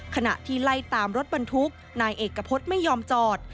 ขณะที่ไล่ตามรถบรรทุกนายเอกพฤษไม่ยอมจอด